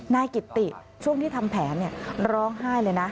นายกิติช่วงที่ทำแผนร้องไห้เลยนะ